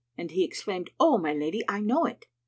And he exclaimed, "O my lady, I know it."